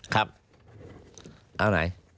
ครับเอาไหน